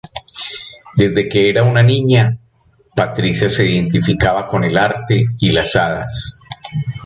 Desde que era una niña, Patricia se identificaba con el Arte y las hadas.